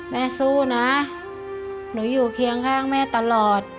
แม่สู้นะหนูอยู่เคียงข้างแม่ตลอด